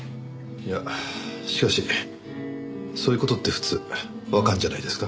いやしかしそういう事って普通わかるんじゃないですか？